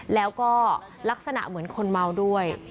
แล้วก็ลักษณะเหมือนคนเมาด้วย